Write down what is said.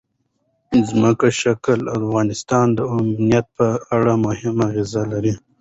ځمکنی شکل د افغانستان د امنیت په اړه هم اغېز لري.